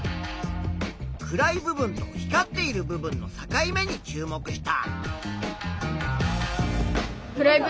暗い部分と光っている部分の境目に注目した。